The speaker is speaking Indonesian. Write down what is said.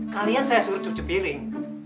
kalian saya suruh cuci piring